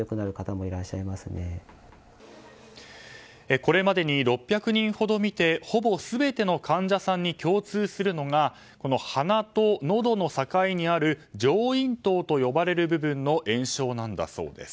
これまでに６００人ほど診てほぼ全ての患者さんに共通するのが鼻とのどの境にある上咽頭と呼ばれる部分の炎症なんだそうです。